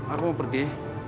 aku mau pergi